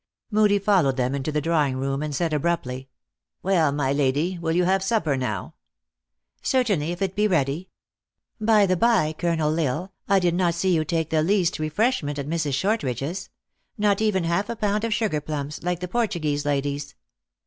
Moodie followed them into the draw ing room, and said abruptly, " Well, my lady, will you have supper now ?"" Certainly, if it be ready. By the bye, Colonel L Tsle, I did not see you. take the least refreshment at Mrs. Shortridge s not even half a pound of sugar plums, like the Portuguese ladies."